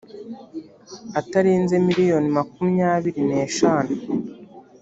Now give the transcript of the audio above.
atarenze miliyoni makumyabiri n eshanu